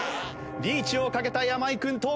リーチをかけた山井君當間君